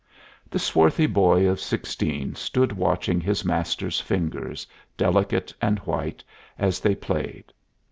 The swarthy boy of sixteen stood watching his master's fingers, delicate and white, as they played.